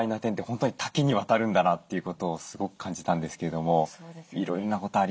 本当に多岐にわたるんだなということをすごく感じたんですけれどもいろいろなことありますね。